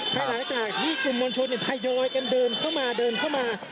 ภายหลังจากที่กลุ่มมวลชนทยอยกันเดินเข้ามาเดินเข้ามา